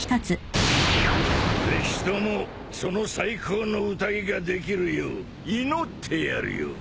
ぜひともその最高の宴ができるよう祈ってやるよ。